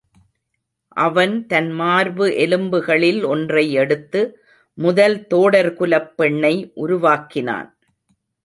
அவன் தன் மார்பு எலும்புகளில் ஒன்றை எடுத்து, முதல் தோடர்குலப் பெண்ணை உருவாக்கினான்.